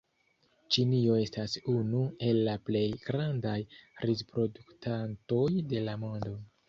Ĉinio estas unu el la plej grandaj rizproduktantoj de la mondo.